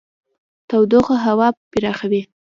تودوخه هوا پراخوي.